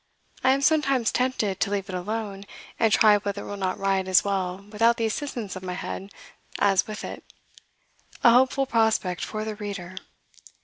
I am sometimes tempted to leave it alone, and try whether it will not write as well without the assistance of my head as with it, a hopeful prospect for the reader!